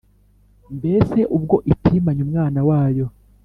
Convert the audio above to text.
Mbese ubwo itimanye umwana wayo,